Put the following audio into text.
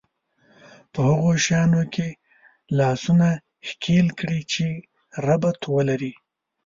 په هغو شيانو کې لاسونه ښکېل کړي چې ربط ولري.